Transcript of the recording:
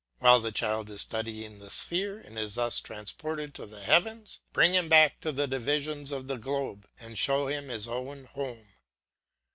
While the child is studying the sphere and is thus transported to the heavens, bring him back to the divisions of the globe and show him his own home.